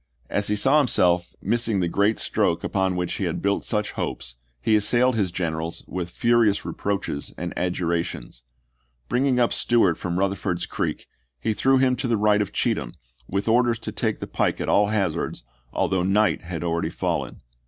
As he saw himself missing the great stroke upon which he had built such hopes, he assailed his generals with furious reproaches and adjurations. Bringing up Stewart from Euther ford's Creek he threw him to the right of Cheatham, with orders to take the pike at all hazards, although night had already fallen.